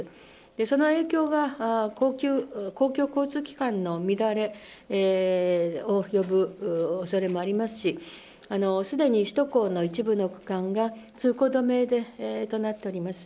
その影響が公共交通機関の乱れを呼ぶおそれもありますし、すでに首都高の一部の区間が通行止めとなっております。